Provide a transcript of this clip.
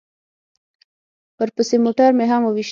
ورپسې موټر مې هم وويشت.